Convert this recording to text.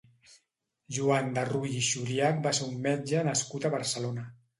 Joan de Rull i Xuriach va ser un metge nascut a Barcelona.